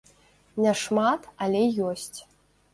Не шмат, але ёсць.